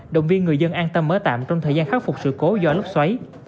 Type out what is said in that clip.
động viên người dân an tâm ở tạm trong thời gian khắc phục sự cố do lóc xoáy